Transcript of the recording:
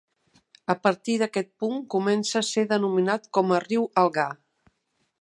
A partir d'aquest punt comença a ser denominat com a riu Algar.